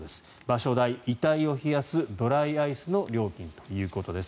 場所代、遺体を冷やすドライアイスの料金だということです。